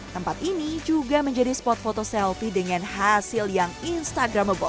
tempat ini juga menjadi spot foto selfie dengan hasil yang instagramable